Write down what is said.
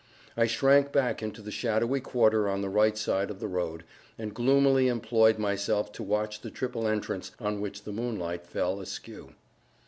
I shrank back into the shadowy quarter on the right side of the road, and gloomily employed myself to watch the triple entrance, on which the moonlight fell askew.